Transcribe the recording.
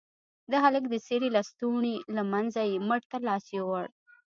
د هلك د څيرې لستوڼي له منځه يې مټ ته لاس يووړ.